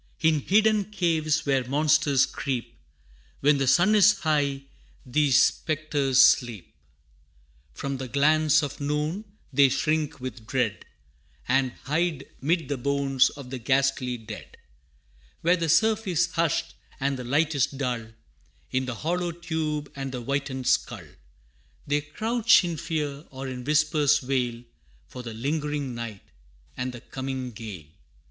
In hidden caves where monsters creep, When the sun is high, these spectres sleep: From the glance of noon, they shrink with dread, And hide 'mid the bones of the ghastly dead. Where the surf is hushed, and the light is dull, In the hollow tube and the whitened skull, They crouch in fear or in whispers wail, For the lingering night, and the coming gale.